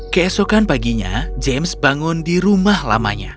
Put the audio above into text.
keesokan paginya james bangun di rumah lamanya